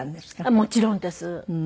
もちろんです。